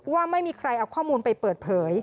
ว่าไม่มีใครเอาข้อมูลไปเปิดเผย